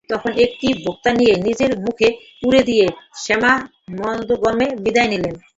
তখন এক টিপ দোক্তা নিয়ে নিজের মুখে পুরে দিয়ে শ্যামা মন্দগমনে বিদায় নিলে।